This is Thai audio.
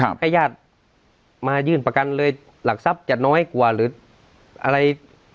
ให้ญาติมายื่นประกันเลยหลักทรัพย์จะน้อยกว่าหรืออะไร